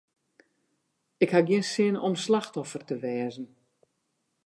Ik haw gjin sin om slachtoffer te wêze.